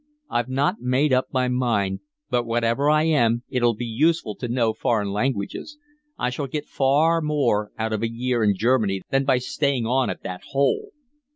I've not made up my mind. But whatever I am, it'll be useful to know foreign languages. I shall get far more out of a year in Germany than by staying on at that hole."